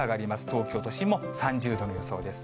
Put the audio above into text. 東京都心も３０度の予想です。